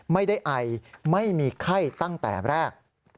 ไอไม่มีไข้ตั้งแต่แรก